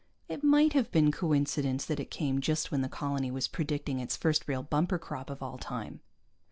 It might have been coincidence that it came just when the colony was predicting its first real bumper crop of all time.